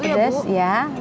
bantu ya bu